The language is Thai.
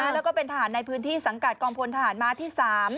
แล้วก็เป็นทหารในพื้นที่สังกัดกองพลทหารม้าที่๓